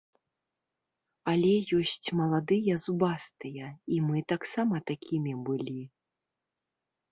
Але ёсць маладыя зубастыя, і мы таксама такімі былі.